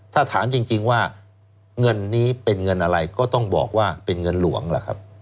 ถ้าถามจริงว่าเงินนี้เป็นเงินอะไรก็ต้องบอกว่าเป็นเงินหลวงล่ะครับ